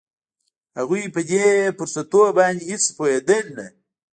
هغوی په دې فرصتونو باندې هېڅ پوهېدل نه